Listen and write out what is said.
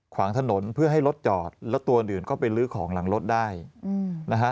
ขวางถนนเพื่อให้รถจอดแล้วตัวอื่นก็ไปลื้อของหลังรถได้นะฮะ